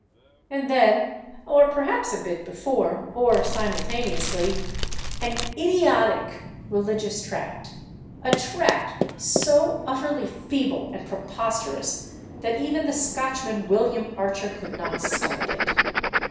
And then—or perhaps a bit before, or simultaneously—an idiotic religious tract—a tract so utterly feeble and preposterous that even the Scotchman, William Archer, could not stomach it.